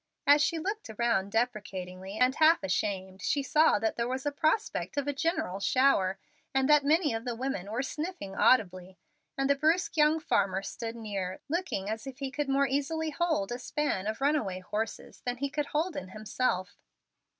As she looked around deprecatingly, and half ashamed, she saw that there was a prospect of a general shower, and that many of the women were sniffling audibly, and the brusque young farmer stood near, looking as if he could more easily hold a span of run away horses than he could hold in himself.